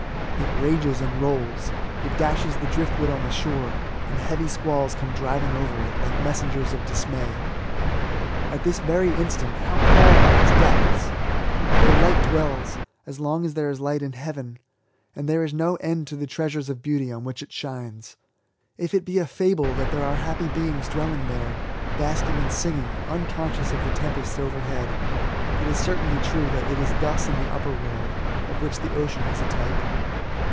It rages and rolls, it dashes the drift wood on the shore, and heavy 102 ESSAYS. squalls come driying over xt^ like messengers of dismay. At this yery instant, how calm are its depths ! There light dwells, as long as there is light in heayen; and there is no end to the treasures of beauty on which it shines. If it be a fable that there are happy beings dwelling there, basking and singing, unconscious of the tempests oyerhead, it is certainly true that it is thus in the upper world, of which the ocean is a type.